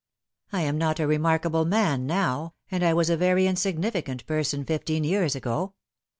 I am not a remarkable man now, and I was a very insignificant person fifteen years ago.